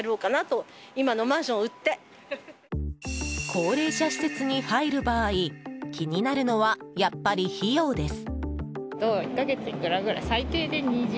高齢者施設に入る場合気になるのは、やっぱり費用です。